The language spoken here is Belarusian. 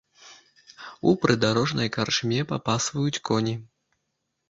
У прыдарожнай карчме папасваюць коні.